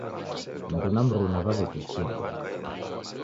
Mndu na mruna wawetesiana.